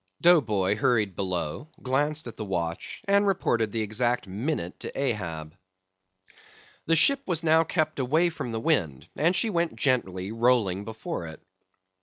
Dough Boy hurried below, glanced at the watch, and reported the exact minute to Ahab. The ship was now kept away from the wind, and she went gently rolling before it.